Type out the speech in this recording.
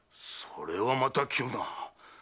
それはまた急な。